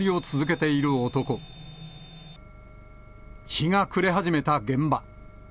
日が暮れ始めた現場。